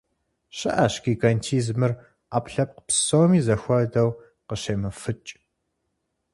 ЩыӀэщ гигантизмыр Ӏэпкълъэпкъ псоми зэхуэдэу къыщемыфыкӀ.